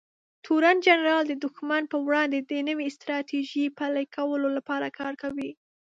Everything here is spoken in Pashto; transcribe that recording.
تورن جنرال د دښمن پر وړاندې د نوې ستراتیژۍ پلي کولو لپاره کار کوي.